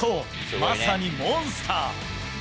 まさにモンスター。